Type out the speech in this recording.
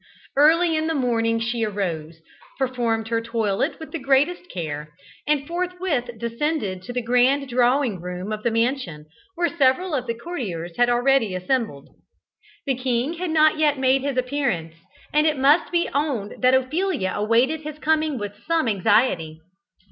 Early in the morning she arose, performed her toilet with the greatest care, and forthwith descended to the grand drawing room of the mansion, where several of the courtiers had already assembled. The king had not yet made his appearance, and it must be owned that Ophelia awaited his coming with some anxiety.